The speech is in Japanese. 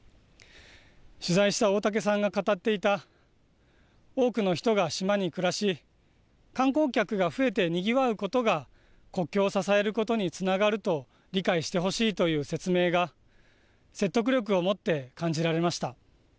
取材した大嵩さんが語っていた、多くの人が島に暮らし、観光客が増えてにぎわうことが、国境を支えることにつながると理解してほしいという説明が、説得力をもって感じられました。